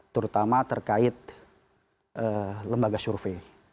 terutama terkait lembaga survei